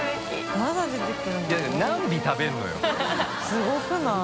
すごくない？